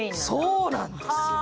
そうなんです。